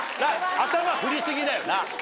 頭振り過ぎだよな。